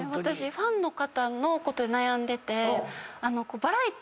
ファンの方のことで悩んでて。